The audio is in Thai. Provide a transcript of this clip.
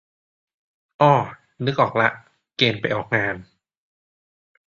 อ่อ นึกออกละ เกณฑ์ไปออกงาน